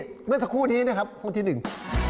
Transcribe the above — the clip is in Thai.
เมื่อสักครู่นี้นะครับคู่ที่หนึ่ง